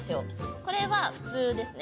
これは普通ですね